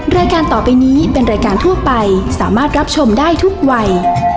รายการต่อไปนี้เป็นรายการทั่วไปสามารถรับชมได้ทุกวัย